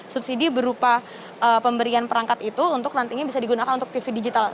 subsidi berupa pemberian perangkat itu untuk nantinya bisa digunakan untuk tv digital